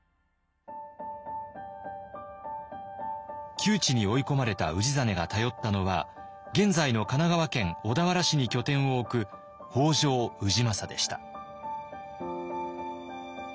窮地に追い込まれた氏真が頼ったのは現在の神奈川県小田原市に拠点を置く北条氏政でした。